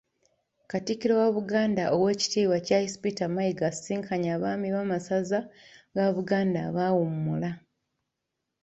Katikkiro wa Buganda Owek.Charles Peter Mayiga asisinkanye abaami b'amasaza ga Buganda abaawummula.